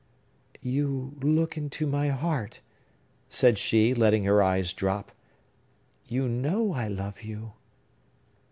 "You look into my heart," said she, letting her eyes drop. "You know I love you!"